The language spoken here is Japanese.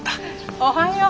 おはよう。